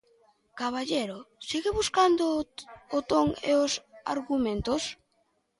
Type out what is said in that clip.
Caballero segue buscando o ton e os argumentos.